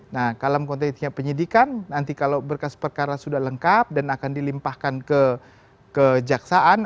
nah kalau menggunakan tingkat penyidikan nanti kalau berkas perkara sudah lengkap dan akan dilimpahkan ke jaksaan